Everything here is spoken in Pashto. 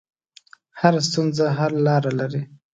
هره ستونزه حل لاره لري.